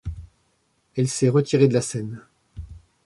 Elle s'est retirée de la scène.